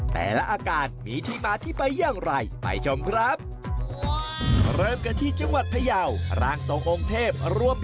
ทรัพย์บรรยายาคม